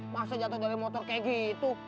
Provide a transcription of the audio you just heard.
masa jatuh dari motor kayak gitu